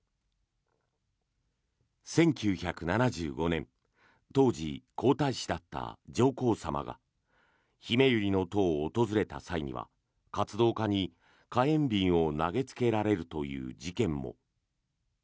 １９７５年当時皇太子だった上皇さまがひめゆりの塔を訪れた際には活動家に火炎瓶を投げつけられるという事件も。